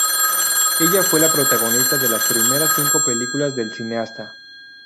Ella fue la protagonista de las primeras cinco películas del cineasta.